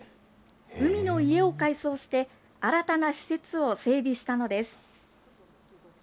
海の家を改装して、新たな施設を整備したのです。